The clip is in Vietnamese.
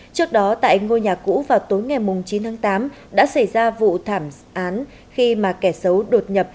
trước đó tại ngôi nhà cũ vào tối ngày chín tháng tám đã xảy ra vụ thảm án khi mà kẻ xấu đột nhập